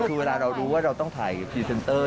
คือเวลาเรารู้ว่าเราต้องถ่ายพรีเซนเตอร์